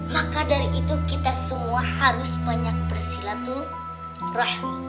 maka dari itu kita semua harus banyak bersilaturahmi